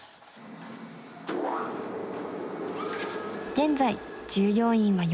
現在従業員は４人。